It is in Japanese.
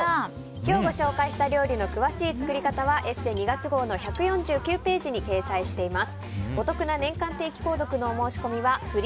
今日ご紹介した料理の詳しい作り方は「ＥＳＳＥ」２月号の１４９ページに掲載しています。